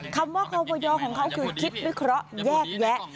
คำว่าคอบยของเขาคือคิดวิเคราะห์แยกแยะ